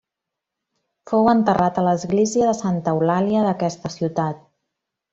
Fou enterrat a l'església de Santa Eulàlia d'aquesta ciutat.